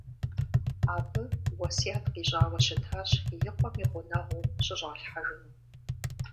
Абы уэсят къищӀауэ щытащ и къуэм и гъунэгъуу щыщӀалъхьэжыну.